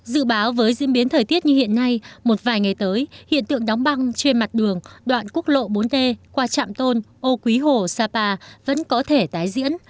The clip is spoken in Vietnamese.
dự báo với diễn biến thời tiết như hiện nay một vài ngày tới hiện tượng đóng băng trên mặt đường đoạn quốc lộ bốn d qua trạm tôn ô quý hồ sapa vẫn có thể tái diễn